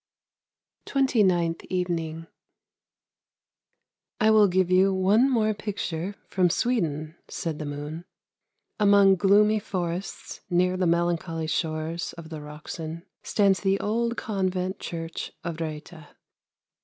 TWENTY NINTH EVENING " I will give you one more picture from Sweden," said the moon. " Among gloomy forests near the melancholy shores of the Roxen stands the old convent church of Wreta.